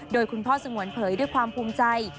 โดยคุณพ่อสงวนเผยด้วยความภูมิใจ